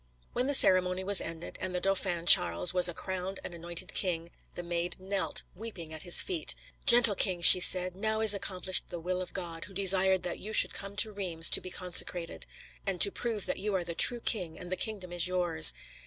When the ceremony was ended, and the Dauphin Charles was a crowned and anointed king, the Maid knelt weeping at his feet. "Gentle king," she said, "now is accomplished the will of God, who desired that you should come to Reims to be consecrated, and to prove that you are the true king and the kingdom is yours."